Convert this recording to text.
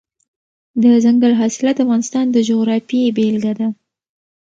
دځنګل حاصلات د افغانستان د جغرافیې بېلګه ده.